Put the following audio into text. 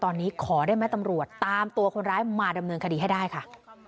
ตอนนี้ขอได้ไหมตำรวจตามตัวคนร้ายมาดำเนินคดีให้ได้ค่ะ